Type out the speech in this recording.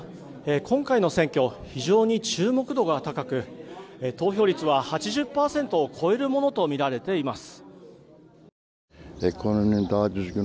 今回の選挙、非常に注目度が高く投票率は８０％を超えるものとみられています。